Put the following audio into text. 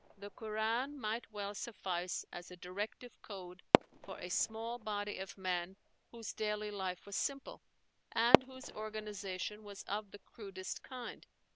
The 'Qur'an' might well suffice as a directive code for a small body of men whose daily life was simple, and whose organization was of the crudest kind.